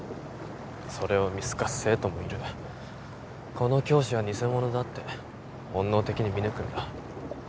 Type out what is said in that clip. それを見透かす生徒もいるこの教師は偽物だって本能的に見抜くんだ